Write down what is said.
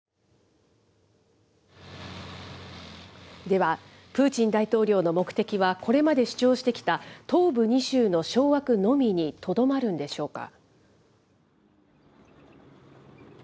では、プーチン大統領の目的は、これまで主張してきた東部２州の掌握のみにとどまるんでしょうか。